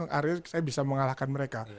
akhirnya saya bisa mengalahkan mereka